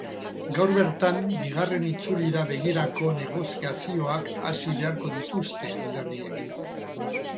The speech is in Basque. Gaur bertan bigarren itzulira begirako negoziazioak hasi beharko dituzte alderdiek.